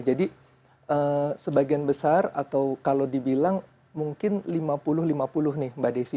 jadi sebagian besar atau kalau dibilang mungkin lima puluh lima puluh nih mbak desy